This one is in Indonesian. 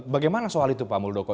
bagaimana soal itu pak muldoko